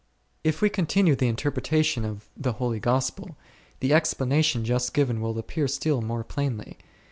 C ^ If we continue the interpretation of the Holy Gospel, the explanation just given will appear still more plainly.